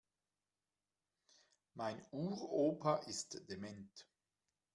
Mein Uropa ist dement.